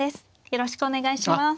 よろしくお願いします。